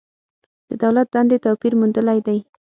د دولت دندې توپیر موندلی دی.